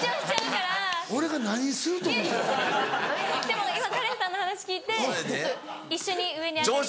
でも今カレンさんの話聞いて一緒に上に上がりたいなって。